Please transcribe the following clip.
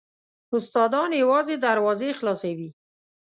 استادان یوازې دروازې خلاصوي .